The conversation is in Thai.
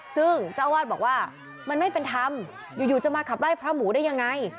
ซึ่งเจ้าอาวาสบอกว่ามันไม่เป็นธรรมอยู่จะมาขับไล่พระหมูได้ยังไง